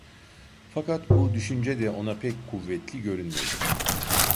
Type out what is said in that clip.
Fakat bu düşünce de ona pek kuvvetli görünmedi.